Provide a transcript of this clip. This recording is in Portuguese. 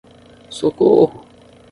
Socorro